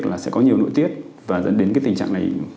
là sẽ có nhiều nội tiết và dẫn đến cái tình trạng này